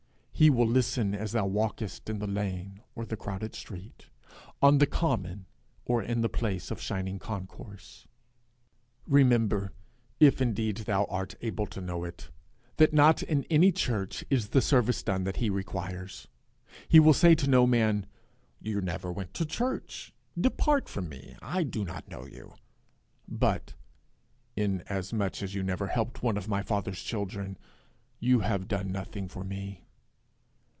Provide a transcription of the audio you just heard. He will listen as thou walkest in the lane or the crowded street, on the common or in the place of shining concourse. Remember, if indeed thou art able to know it, that not in any church is the service done that he requires. He will say to no man, 'You never went to church: depart from me; I do not know you;' but, 'Inasmuch as you never helped one of my father's children, you have done nothing for me.'